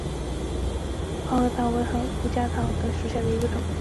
泡核桃为胡桃科胡桃属下的一个种。